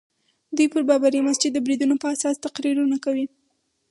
دوی پر بابري مسجد د بریدونو په اساس تقریرونه کوي.